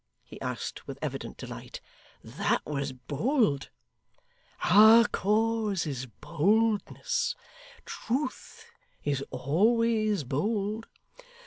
he asked with evident delight. 'That was bold.' 'Our cause is boldness. Truth is always bold.